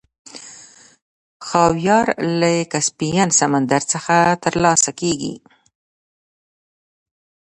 خاویار له کسپین سمندر څخه ترلاسه کیږي.